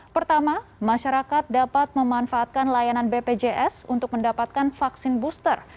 pertama masyarakat dapat memanfaatkan layanan bpjs untuk mendapatkan vaksin booster